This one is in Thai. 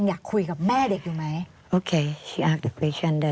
ได้คุยกับแม่เด็กไหนกี่ครั้งคะ